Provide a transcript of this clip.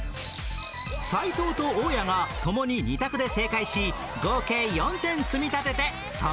斎藤と大家が共に２択で正解し合計４点積み立てて３問目へ